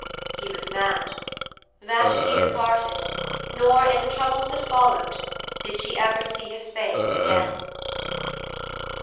He was mad. Vashti departed, nor, in the troubles that followed, did she ever see his face again.